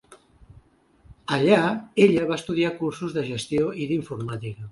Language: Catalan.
Allà ella va estudiar cursos de gestió i d'informàtica.